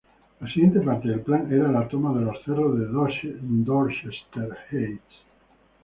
La siguiente parte del plan era la toma de los cerros de Dorchester Heights.